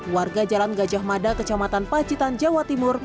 warga jalan gajah mada kecamatan pacitan jawa timur